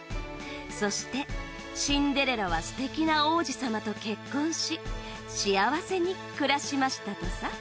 そしてシンデレラはすてきな王子様と結婚し幸せに暮らしましたとさ。